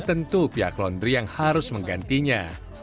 tentu pihak laundry yang harus menggantinya